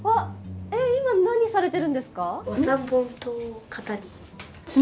今何されてるんですか？